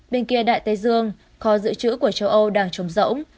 bên kia đại tây dương kho dự trữ của châu âu đang trồng rỗng